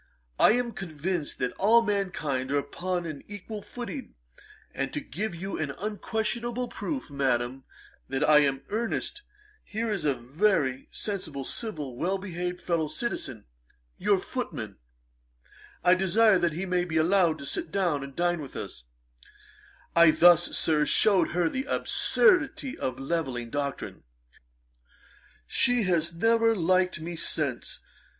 I am convinced that all mankind are upon an equal footing; and to give you an unquestionable proof, Madam, that I am in earnest, here is a very sensible, civil, well behaved fellow citizen, your footman; I desire that he may be allowed to sit down and dine with us." I thus, Sir, shewed her the absurdity of the levelling doctrine. She has never liked me since.